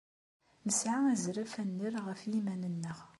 Nesɛa azref ad nerr ɣef yiman-nneɣ.